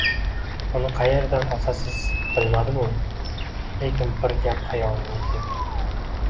Uni qayeridan osasiz bilmadim-u, lekin bir gap xayolimga keldi: